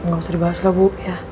nggak usah dibahas lah bu